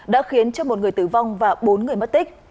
đã khiến cho một người tử vong và bốn người mất tích